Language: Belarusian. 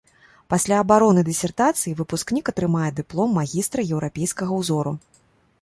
Пасля абароны дысертацыі выпускнік атрымае дыплом магістра еўрапейскага ўзору.